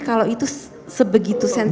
kalau itu sebegitu sensiknya